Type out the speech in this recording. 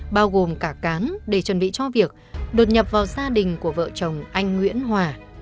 bao gồm cả cán để chuẩn bị cho việc đột nhập vào gia đình của vợ chồng anh nguyễn hòa